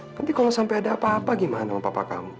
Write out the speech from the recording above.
tapi kalau sampai ada apa apa gimana papa kamu